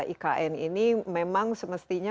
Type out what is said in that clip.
ikn ini memang semestinya